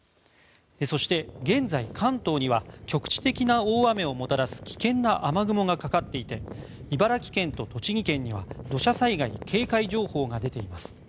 そして現在、関東には局地的な大雨をもたらす危険な雨雲がかかっていて茨城県と栃木県には土砂災害警戒情報が出ています。